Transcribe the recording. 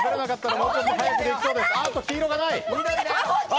黄色がない！